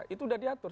itu sudah diatur